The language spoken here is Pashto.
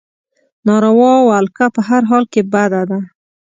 ناروا ولکه په هر حال کې بده ده.